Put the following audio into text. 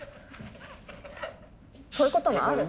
そういうこともある。